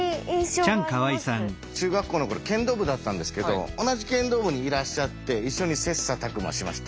中学校の頃剣道部だったんですけど同じ剣道部にいらっしゃって一緒に切磋琢磨しました。